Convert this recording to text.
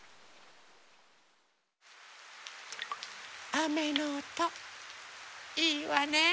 あめのおといいわね。